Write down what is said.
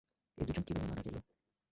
এই দুইজন কীভাবে মারা গেল?